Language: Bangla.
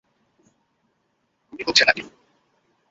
গুলি হচ্ছে নাকি?